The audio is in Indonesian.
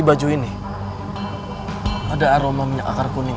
baju ini ada aroma minyak akar kuning